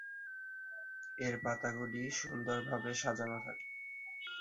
এর পাতাগুলি সুন্দর ভাবে সাজানো থাকে।